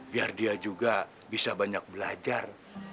biar dia juga bisa banyak belajar